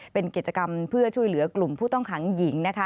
เป็นกิจกรรมเพื่อช่วยเหลือกลุ่มผู้ต้องขังหญิง